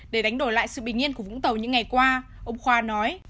để đánh đổi lại sự bình yên của vũng tàu những ngày qua ông khoa nói